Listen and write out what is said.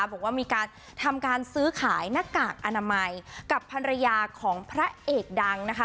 บอกว่ามีการทำการซื้อขายหน้ากากอนามัยกับภรรยาของพระเอกดังนะคะ